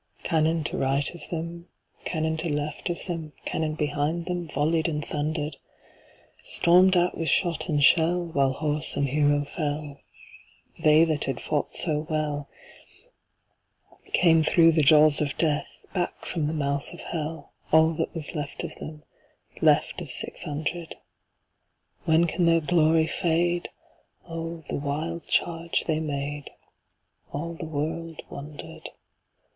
Cannon to right of them, Cannon to left of them, Cannon behind themVolley'd and thunder'd; Storm'd at with shot and shell, While horse and hero fell, They that had fought so wellCame thro' the jaws of Death, Back from the mouth of Hell, All that was left of them, Left of six hundred. When can their glory fade?O the wild charge they made! All the world wonder'd.